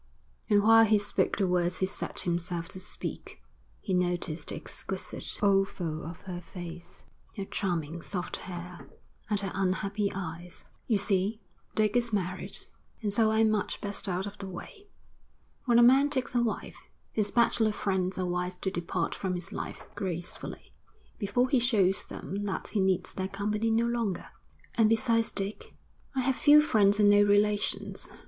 And while he spoke the words he set himself to speak, he noticed the exquisite oval of her face, her charming, soft hair, and her unhappy eyes. 'You see, Dick is married, and so I'm much best out of the way. When a man takes a wife, his bachelor friends are wise to depart from his life, gracefully, before he shows them that he needs their company no longer.' 'And besides Dick?' 'I have few friends and no relations.